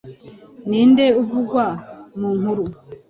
Ni nde uvugwa mu nkuru?